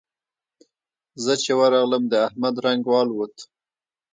زه چې ورغلم؛ د احمد رنګ والوت.